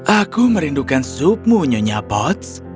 aku merindukan supmu nyonya pots